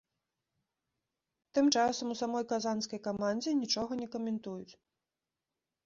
Тым часам у самой казанскай камандзе нічога не каментуюць.